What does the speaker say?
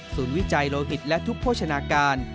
ศูนย์วิจัยโลหิตและทุกโภชนาการ